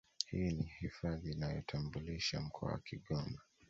Hii ni hifadhi inayoutambulisha mkoa wa Kigoma